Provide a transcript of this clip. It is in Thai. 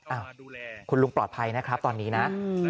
อ้าวคุณลุงปลอดภัยนะครับตอนนี้นะ